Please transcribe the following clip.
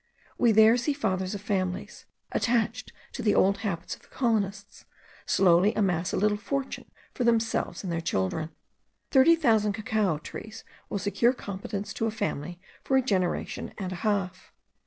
We there see fathers of families, attached to the old habits of the colonists, slowly amass a little fortune for themselves and their children. Thirty thousand cacao trees will secure competence to a family for a generation and a half.